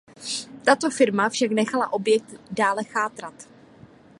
Tato firma však nechala objekt dále chátrat.